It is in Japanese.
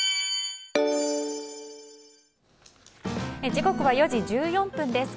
時刻は４時１４分です。